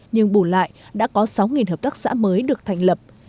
nhưng bù lại đã có sáu hợp tác xã mới được thành lập